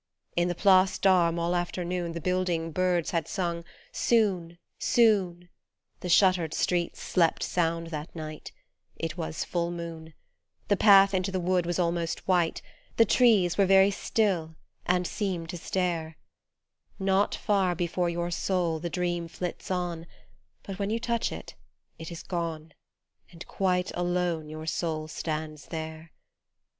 In the Place d'Armes all afternoon The building birds had sung " Soon, soon," The shuttered streets slept sound that night, It was full moon : The path into the wood was almost white, The trees were very still and seemed to stare : Not far before your soul the Dream flits on, But when you touch it, it is gone And quite alone your soul stands there.